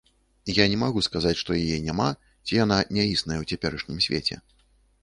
Я не магу сказаць, што яе няма ці яна не існая ў цяперашнім свеце.